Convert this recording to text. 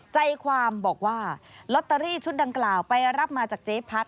ใจความบอกว่าลอตเตอรี่ชุดดังกล่าวไปรับมาจากเจ๊พัด